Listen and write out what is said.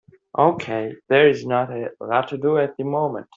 Okay, there is not a lot to do at the moment.